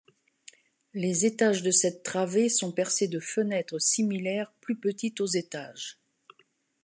Les étages de cette travée sont percés de fenêtres similaires plus petites aux étages.